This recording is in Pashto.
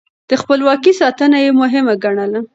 د خپلواکۍ ساتنه يې مهمه ګڼله.